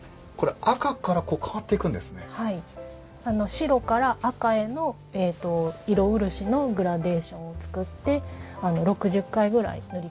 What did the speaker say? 白から赤への色漆のグラデーションを作って６０回ぐらい塗り重ねて制作してます。